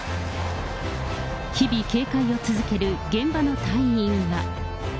日々警戒を続ける現場の隊員は。